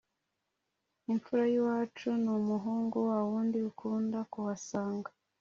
ipfura yiwacu numuhungu wawundi ukunda kuhasanga